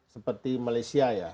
seperti malaysia ya